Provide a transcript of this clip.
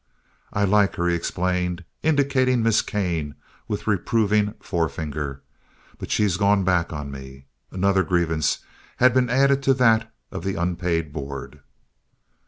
"I like her," he explained, indicating Miss Kane with reproving forefinger, "but she's gone back on me." Another grievance had been added to that of the unpaid board.